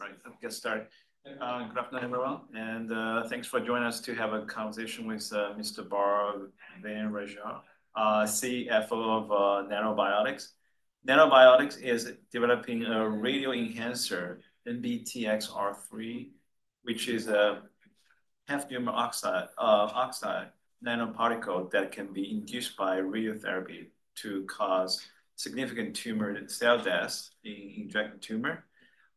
Right. I'm going to start. Good afternoon, everyone. Thanks for joining us to have a conversation with Mr. Bart Van Rhijn CFO of Nanobiotix. Nanobiotix is developing a radio enhancer, NBTXR3, which is a hafnium oxide nanoparticle that can be induced by radiotherapy to cause significant tumor cell death in injected tumor.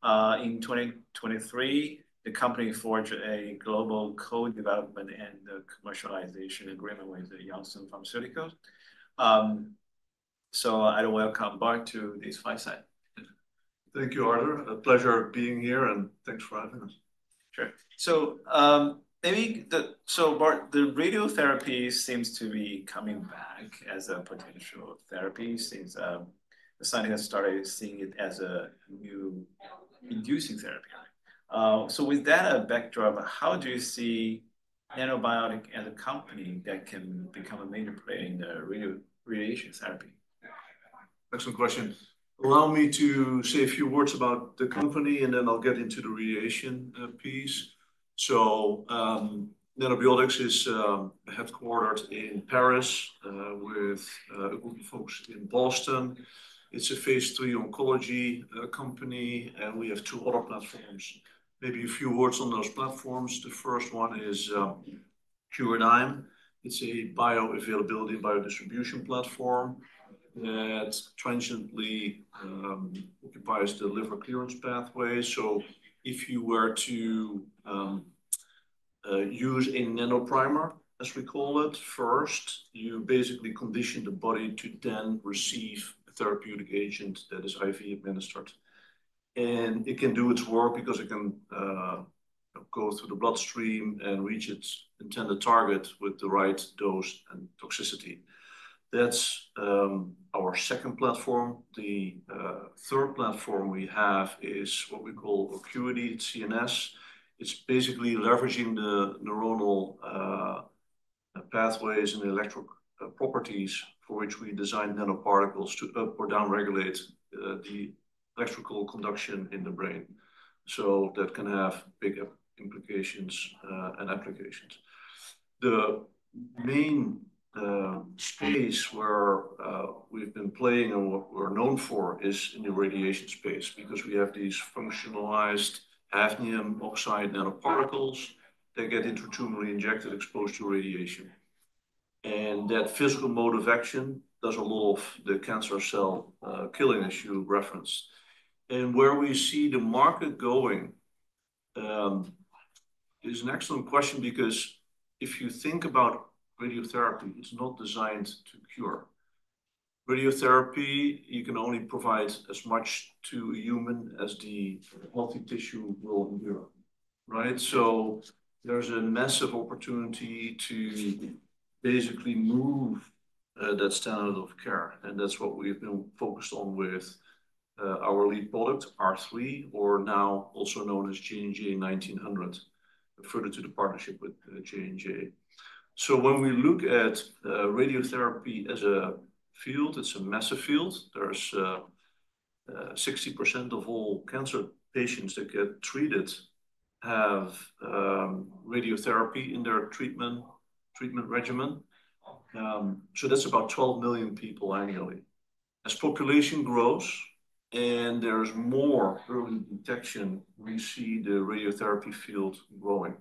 In 2023, the company forged a global co-development and commercialization agreement with Johnson & Johnson pharmaceutical. I would welcome Bart to this fireside. Thank you, Arthur. A pleasure being here, and thanks for having us. Sure. Maybe the—so Bart, the radiotherapy seems to be coming back as a potential therapy since the science has started seeing it as a new inducing therapy. With that backdrop, how do you see Nanobiotix as a company that can become a major player in the radiation therapy? Excellent questions. Allow me to say a few words about the company, and then I'll get into the radiation piece. Nanobiotix is headquartered in Paris with a group of folks in Boston. It's a phase III oncology company, and we have two other platforms. Maybe a few words on those platforms. The first one is QR9. It's a bioavailability and biodistribution platform that transiently occupies the liver clearance pathway. If you were to use a nanoprimer, as we call it, first, you basically condition the body to then receive a therapeutic agent that is IV administered. It can do its work because it can go through the bloodstream and reach its intended target with the right dose and toxicity. That's our second platform. The third platform we have is what we call Ocuity CNS. It's basically leveraging the neuronal pathways and electric properties for which we designed nanoparticles to up or downregulate the electrical conduction in the brain. That can have big implications and applications. The main space where we've been playing and what we're known for is in the radiation space because we have these functionalized hafnium oxide nanoparticles that get into tumor, re-injected, exposed to radiation. That physical mode of action does a lot of the cancer cell killing you reference. Where we see the market going is an excellent question because if you think about radiotherapy, it's not designed to cure. Radiotherapy, you can only provide as much to a human as the healthy tissue will endure, right? There's a massive opportunity to basically move that standard of care. That is what we have been focused on with our lead product, NBTXR3, or now also known as JNJ-1900, further to the partnership with Johnson & Johnson. When we look at radiotherapy as a field, it is a massive field. There are 60% of all cancer patients that get treated who have radiotherapy in their treatment regimen. That is about 12 million people annually. As population grows and there is more early detection, we see the radiotherapy field growing.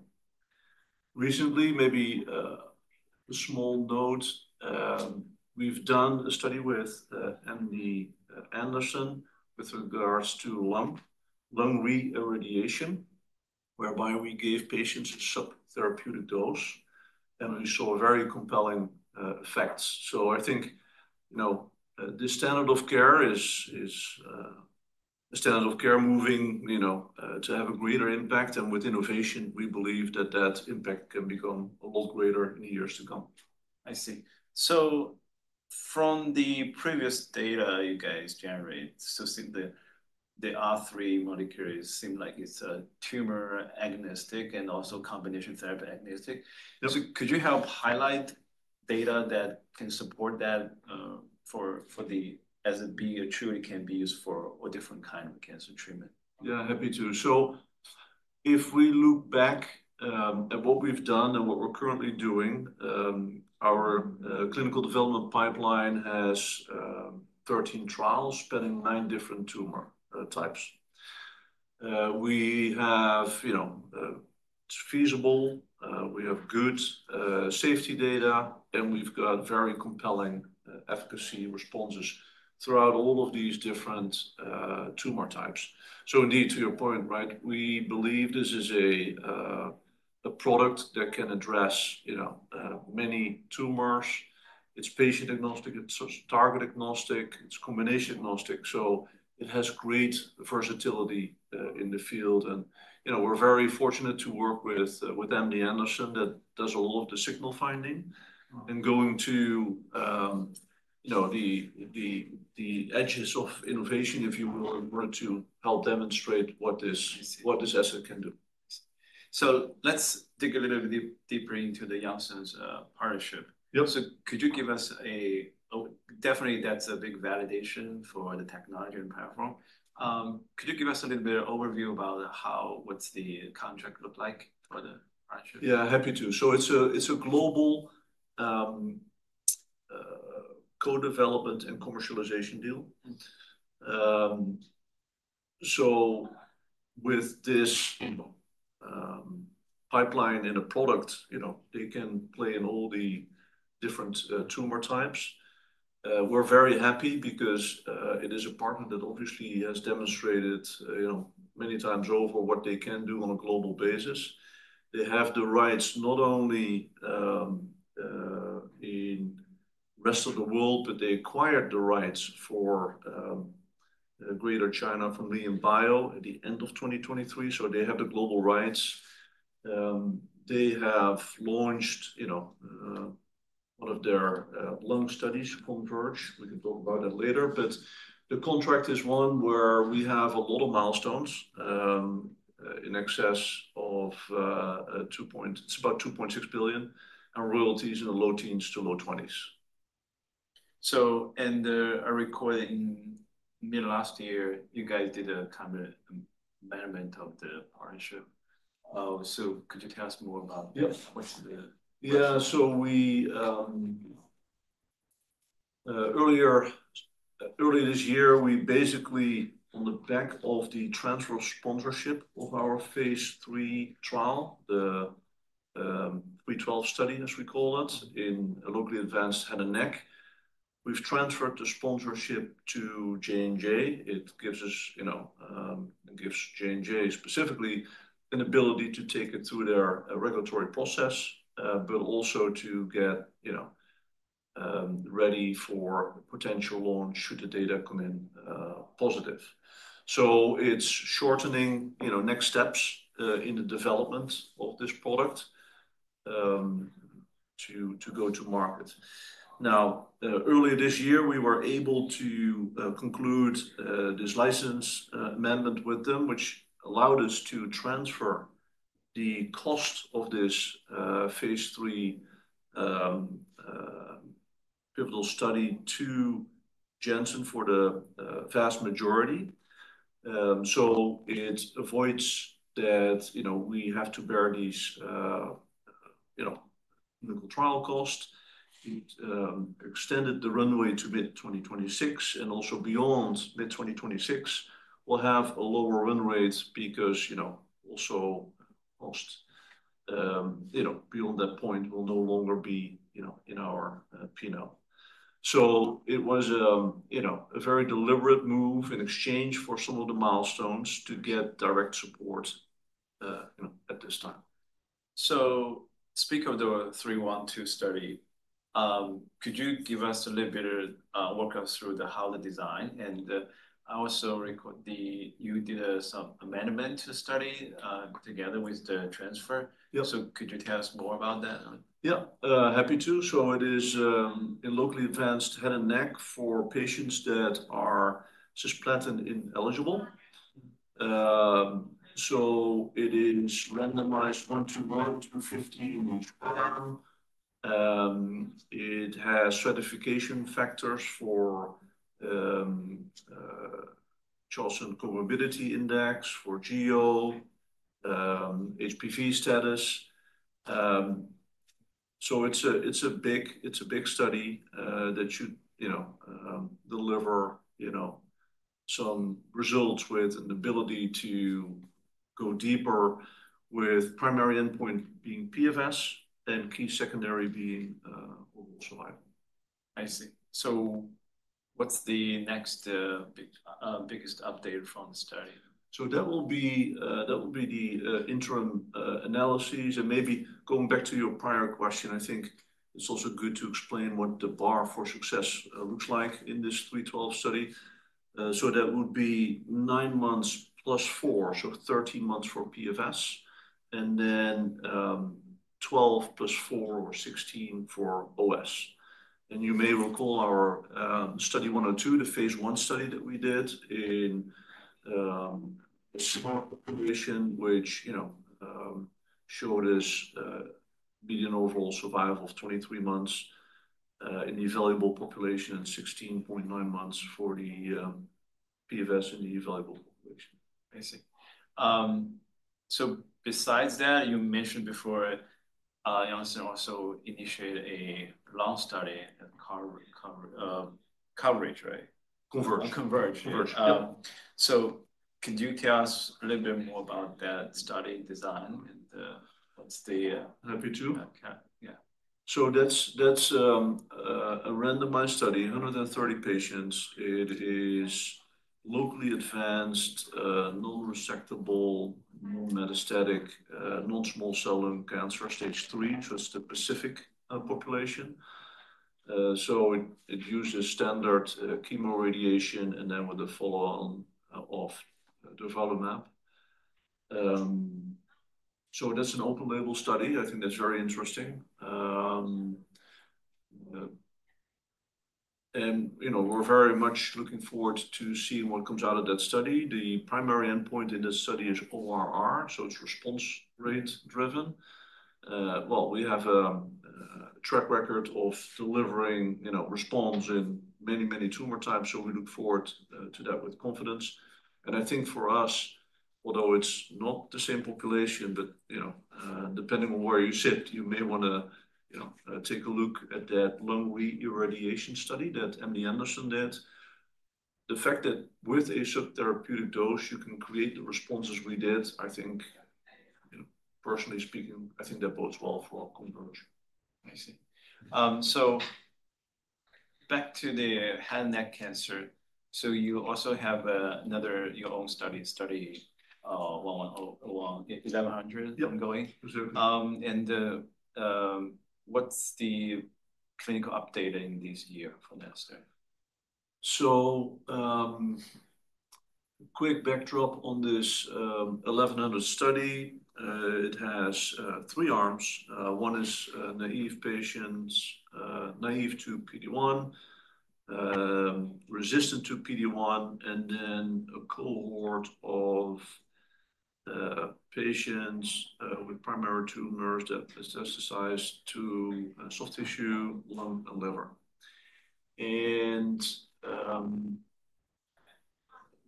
Recently, maybe a small note, we have done a study with MD Anderson with regards to lung reirradiation, whereby we gave patients a subtherapeutic dose, and we saw very compelling effects. I think the standard of care is a standard of care moving to have a greater impact. With innovation, we believe that impact can become a lot greater in the years to come. I see. From the previous data you guys generate, the R3 molecule seems like it's tumor agonistic and also combination therapy agonistic. Could you help highlight data that can support that for the, as it be a true, it can be used for a different kind of cancer treatment? Yeah, happy to. If we look back at what we've done and what we're currently doing, our clinical development pipeline has 13 trials spanning nine different tumor types. We have feasible, we have good safety data, and we've got very compelling efficacy responses throughout all of these different tumor types. Indeed, to your point, right, we believe this is a product that can address many tumors. It's patient agnostic. It's target agnostic. It's combination agnostic. It has great versatility in the field. We're very fortunate to work with MD Anderson that does a lot of the signal finding and going to the edges of innovation, if you will, in order to help demonstrate what this asset can do. Let's dig a little bit deeper into the Johnson & Johnson partnership. Could you give us a—definitely, that's a big validation for the technology and platform. Could you give us a little bit of overview about what the contract looks like for the partnership? Yeah, happy to. It is a global co-development and commercialization deal. With this pipeline and a product, they can play in all the different tumor types. We're very happy because it is a partner that obviously has demonstrated many times over what they can do on a global basis. They have the rights not only in the rest of the world, but they acquired the rights for Greater China from LianBio at the end of 2023. They have the global rights. They have launched one of their lung studies from CONVERGE. We can talk about it later. The contract is one where we have a lot of milestones in excess of $2.6 billion and royalties in the low teens to low 20s%. In the recording mid-last year, you guys did a common environment of the partnership. Could you tell us more about what's the— Yeah. Earlier this year, we basically, on the back of the transfer of sponsorship of our phase III trial, the 312 study, as we call it, in a locally advanced head and neck, we transferred the sponsorship to Johnson & Johnson. It gives us, it gives Johnson & Johnson specifically an ability to take it through their regulatory process, but also to get ready for potential launch should the data come in positive. It is shortening next steps in the development of this product to go to market. Earlier this year, we were able to conclude this license amendment with them, which allowed us to transfer the cost of this phase III pivotal study to Janssen for the vast majority. It avoids that we have to bear these clinical trial costs. It extended the runway to mid-2026. Also, beyond mid-2026, we'll have a lower run rate because also cost beyond that point will no longer be in our P&L. It was a very deliberate move in exchange for some of the milestones to get direct support at this time. Speak of the 312 study. Could you give us a little bit of a walk us through how the design? I also record the—you did some amendment to the study together with the transfer. Could you tell us more about that? Yeah, happy to. It is a locally advanced head and neck for patients that are cisplatin ineligible. It is randomized 1-1, 250 in each panel. It has stratification factors for Johnson Comorbidity Index for GEO, HPV status. It is a big study that should deliver some results with an ability to go deeper with primary endpoint being PFS and key secondary being overall survival. I see. What's the next biggest update from the study? That will be the interim analysis. Maybe going back to your prior question, I think it's also good to explain what the bar for success looks like in this 312 study. That would be nine months+ four, so 13 months for PFS, and then 12 + four or 16 for OS. You may recall our Study 102, the phase I study that we did in a small population, which showed us median overall survival of 23 months in the evaluable population and 16.9 months for the PFS in the evaluable population. I see. So besides that, you mentioned before Johnson & Johnson also initiated a lung study coverage, right? Converge. Converge. Could you tell us a little bit more about that study design and what's the— Happy to. Okay. Yeah. That's a randomized study, 130 patients. It is locally advanced, non-resectable, non-metastatic, non-small cell lung cancer, stage 3, just the specific population. It uses standard chemoradiation and then with a follow-on of durvalumab. That's an open-label study. I think that's very interesting. We're very much looking forward to seeing what comes out of that study. The primary endpoint in this study is ORR, so it's response rate driven. We have a track record of delivering response in many, many tumor types. We look forward to that with confidence. I think for us, although it's not the same population, but depending on where you sit, you may want to take a look at that lung reirradiation study that MD Anderson did. The fact that with a subtherapeutic dose, you can create the responses we did, I think, personally speaking, I think that bodes well for our conversion. I see. Back to the head and neck cancer. You also have another, your own study, Study 1100 ongoing. What's the clinical update in this year for that study? Quick backdrop on this 1100 study. It has three arms. One is naive patients, naive to PD-1, resistant to PD-1, and then a cohort of patients with primary tumors that metastasize to soft tissue, lung, and liver.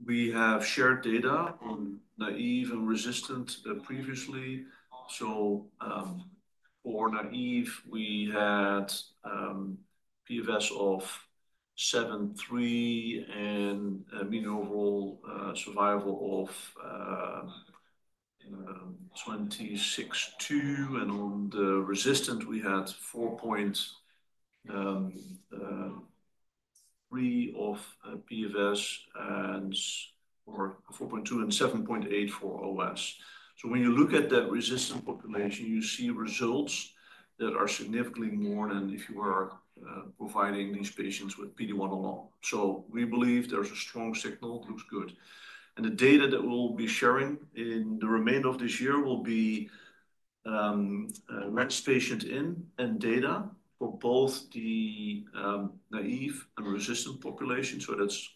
We have shared data on naive and resistant previously. For naive, we had PFS of 73 and mean overall survival of 26.2. On the resistant, we had 4.3 of PFS or 4.2 and 7.8 for OS. When you look at that resistant population, you see results that are significantly more than if you were providing these patients with PD-1 alone. We believe there is a strong signal. It looks good. The data that we will be sharing in the remainder of this year will be rent patient in and data for both the naive and resistant population. That is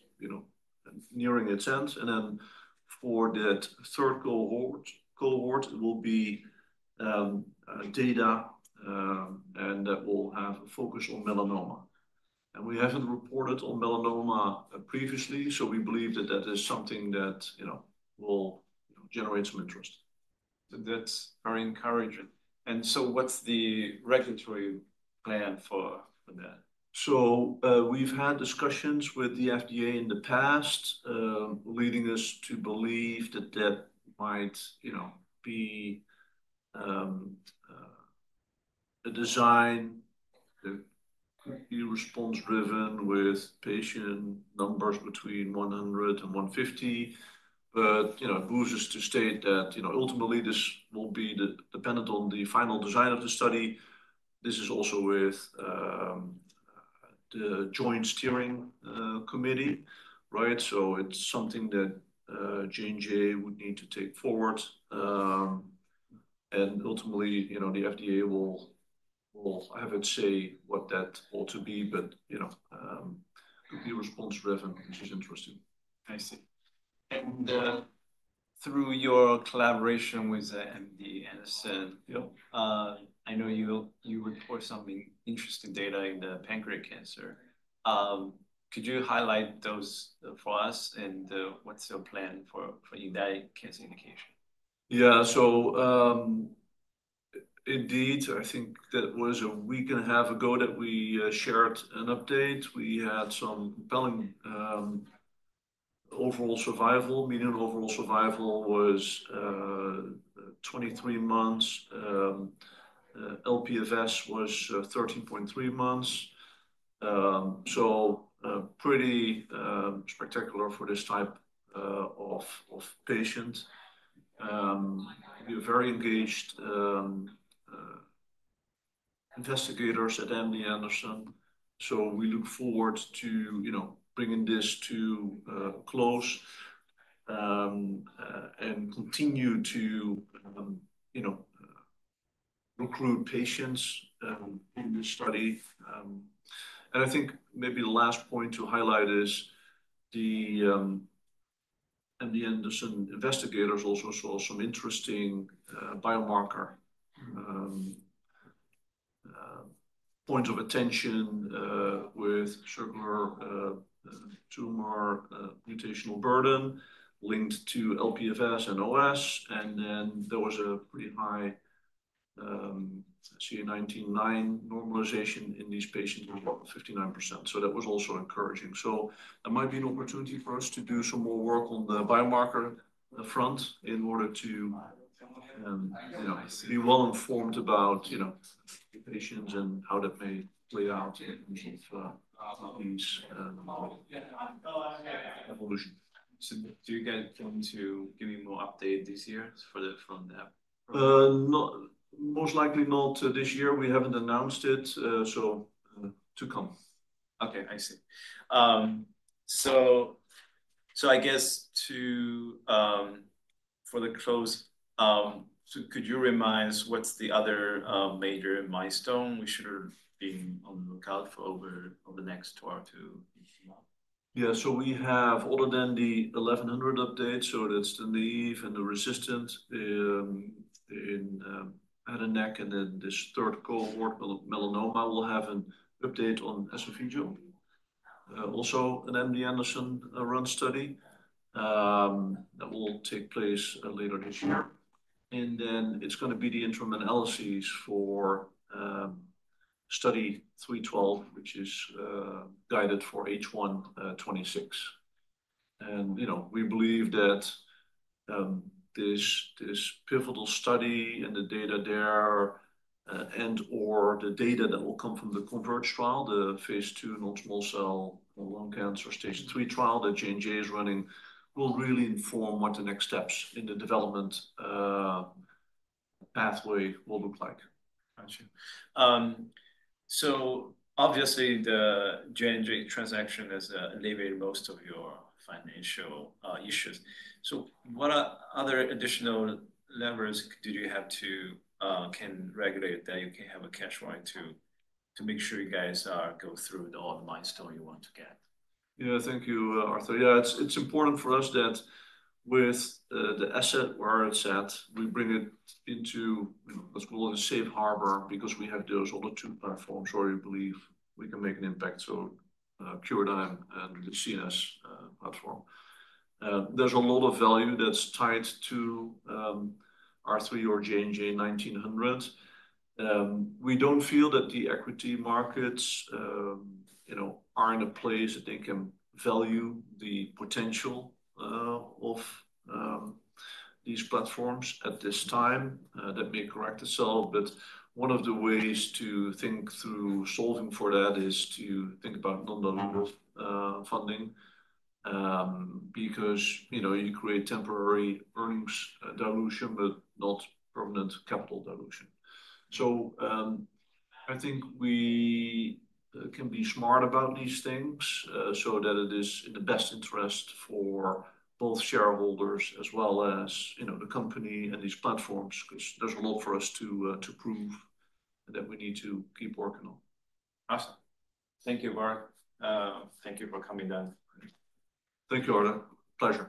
nearing its end. For that third cohort, it will be data and that will have a focus on melanoma. We haven't reported on melanoma previously. We believe that that is something that will generate some interest. That's very encouraging. What's the regulatory plan for that? We've had discussions with the FDA in the past, leading us to believe that that might be a design that could be response-driven with patient numbers between 100 and 150. It moves us to state that ultimately, this will be dependent on the final design of the study. This is also with the Joint Steering Committee, right? It's something that J&J would need to take forward. Ultimately, the FDA will have its say what that ought to be, but it could be response-driven, which is interesting. I see. Through your collaboration with MD Anderson, I know you report some interesting data in the pancreatic cancer. Could you highlight those for us? What's your plan for that cancer indication? Yeah. So indeed, I think that was a week and a half ago that we shared an update. We had some compelling overall survival. Median overall survival was 23 months. LPFS was 13.3 months. Pretty spectacular for this type of patient. We have very engaged investigators at MD Anderson. We look forward to bringing this to a close and continue to recruit patients in this study. I think maybe the last point to highlight is the MD Anderson investigators also saw some interesting biomarker points of attention with circular tumor mutational burden linked to LPFS and OS. There was a pretty high CA19-9 normalization in these patients of 59%. That was also encouraging. That might be an opportunity for us to do some more work on the biomarker front in order to be well-informed about patients and how that may play out in terms of these evolutions. Do you guys plan to give you more update this year from that? Most likely not this year. We haven't announced it. To come. Okay. I see. I guess for the close, could you remind us what's the other major milestone we should have been on the lookout for over the next two months-three months? Yeah. We have, other than the 1100 update, so that's the naive and the resistant in head and neck. Then this third cohort, melanoma, we'll have an update on esophageal. Also an MD Anderson-run study that will take place later this year. It is going to be the interim analysis for Study 312, which is guided for H1 2026. We believe that this pivotal study and the data there and/or the data that will come from the CONVERGE trial, the phase II non-small cell lung cancer stage III trial that J&J is running, will really inform what the next steps in the development pathway will look like. Got you. Obviously, the Johnson&Johnson transaction has alleviated most of your financial issues. What other additional levers do you have to regulate that you can have a catch-y2 to make sure you guys go through all the milestones you want to get? Yeah. Thank you, Arthur. Yeah. It's important for us that with the asset where it's at, we bring it into what's called a safe harbor because we have those other two platforms where we believe we can make an impact. So Curadigm and Ocuity CNS platform. There's a lot of value that's tied to R3 or JNJ-1900. We don't feel that the equity markets are in a place that they can value the potential of these platforms at this time. That may correct itself. One of the ways to think through solving for that is to think about non-dilutive funding because you create temporary earnings dilution, but not permanent capital dilution. I think we can be smart about these things so that it is in the best interest for both shareholders as well as the company and these platforms because there's a lot for us to prove that we need to keep working on. Awesome. Thank you, Bart. Thank you for coming down. Thank you, Arthur. Pleasure.